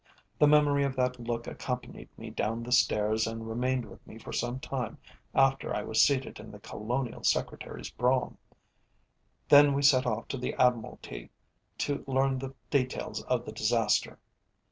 The memory of that look accompanied me down the stairs and remained with me for some time after I was seated in the Colonial Secretary's brougham. Then we set off to the Admiralty to learn the details of the disaster.